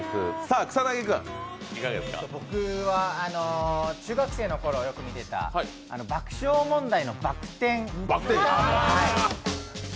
僕は中学生の頃によく見てた「爆笑問題のバク天！」